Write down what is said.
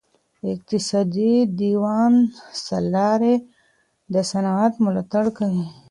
اقتصادي دیوان سالاري د صنعت ملاتړ کوي.